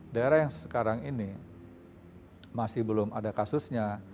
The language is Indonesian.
daerah yang sekarang ini masih belum ada kasusnya